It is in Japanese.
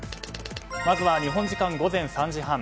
まずは日本時間午前３時半。